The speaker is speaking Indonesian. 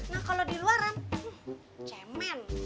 nah kalau di luaran cemen